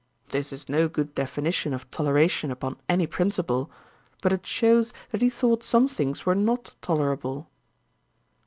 This is no good definition of toleration upon any principle; but it shews that he thought some things were not tolerable.'